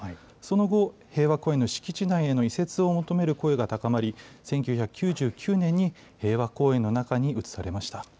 その後、平和公園の敷地内への移設を求める声が高まり、１９９９年に平和公園の中に移されました。